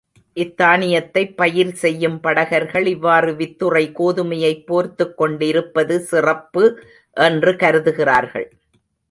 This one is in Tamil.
இத்தானியத்தைப் பயிர் செய்யும் படகர்கள், இவ்வாறு வித்துறை கோதுமையைப் போர்த்துக்கொண்டிருப்பது சிறப்பு என்று கருதுகிறார்கள்.